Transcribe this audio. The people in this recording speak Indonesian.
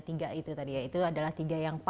tiga itu tadi ya itu adalah tiga yang paling